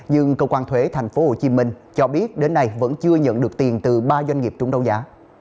nhưng cơ quan thuế tp hcm cho biết đến nay vẫn chưa nhận được tiền từ ba doanh nghiệp trúng đấu giá